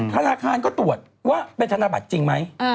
ธนาคารก็ตรวจว่าเป็นธนบัตรจริงไหม